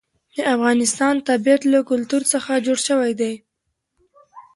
د افغانستان طبیعت له کلتور څخه جوړ شوی دی.